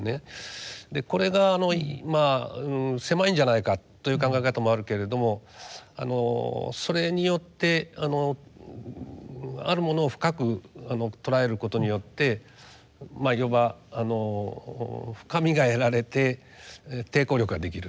これが狭いんじゃないかという考え方もあるけれどもそれによってあるものを深く捉えることによって要は深みが得られて抵抗力ができる。